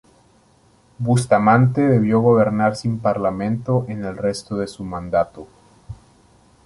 Bustamante debió gobernar sin Parlamento en el resto de su mandato.